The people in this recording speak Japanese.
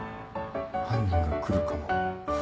犯人が来るかも。